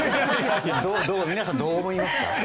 皆さん、どう思いますか？